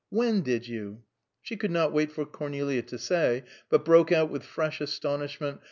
When did you?" She could not wait for Cornelia to say, but broke out with fresh astonishment.